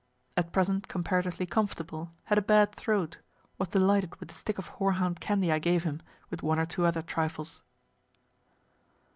At present comparatively comfortable, had a bad throat, was delighted with a stick of horehound candy I gave him, with one or two other trifles.